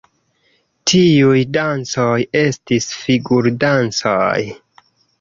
Tiuj dancoj estis figur-dancoj.